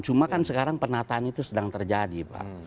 cuma kan sekarang penataan itu sedang terjadi pak